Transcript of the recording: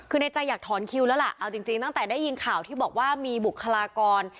คือในใจอยากถอนคิวแล้วล่ะเอาจริงตั้งแต่ได้ยินข่าวที่บอกว่ามีบุคลากร